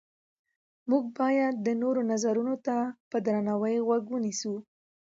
موږ باید د نورو نظرونو ته په درناوي غوږ ونیسو